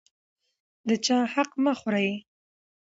د چا حق مه خورئ.